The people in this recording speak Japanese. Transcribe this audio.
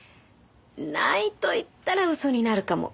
ないと言ったら嘘になるかも。